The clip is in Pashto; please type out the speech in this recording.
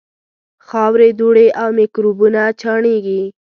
خاورې، دوړې او میکروبونه چاڼېږي.